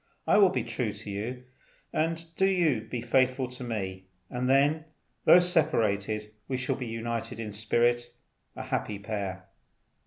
I will be true to you; do you be faithful to me; and then, though separated, we shall be united in spirit, a happy pair.